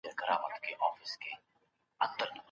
د مخنيوي احساس قهر زېږوي.